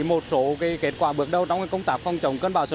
một số kết quả bước đầu trong công tác phòng chống cơn bão số sáu